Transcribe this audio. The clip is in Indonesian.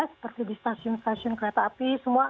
seperti di stasiun stasiun kereta api semua